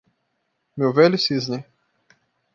Meu velho cisne